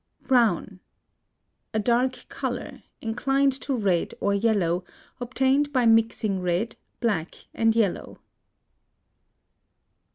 BROWN. A dark color, inclined to red or yellow, obtained by mixing red, black, and yellow.